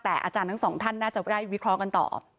แต่อาจารย์ทั้งสองท่านน่าจะได้วิเคราะห์กันต่อ